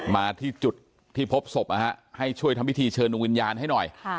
มาที่จุดที่พบศพให้ช่วยทำพิธีเชิญดวงวิญญาณให้หน่อย